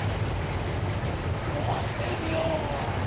申してみよ！